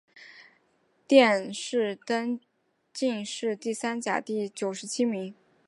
殿试登进士第三甲第九十七名。